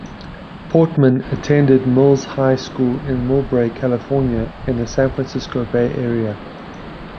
Portman attended Mills High School in Millbrae, California in the San Francisco Bay Area.